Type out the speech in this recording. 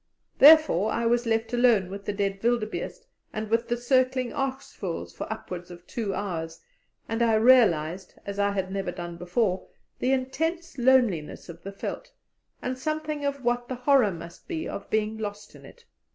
Therefore I was left alone with the dead wildebeeste and with the circling aas vogels for upwards of two hours, and I realized, as I had never done before, the intense loneliness of the veldt, and something of what the horror must be of being lost on it.